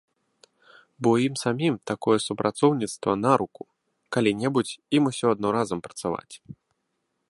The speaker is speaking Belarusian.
Бо ім самім такое супрацоўніцтва на руку, калі-небудзь ім усё адно разам працаваць.